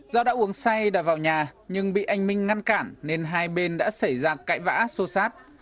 do đã uống say đã vào nhà nhưng bị anh minh ngăn cản nên hai bên đã xảy ra cãi vã sô sát